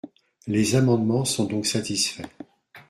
Les amendements sont donc satisfaits.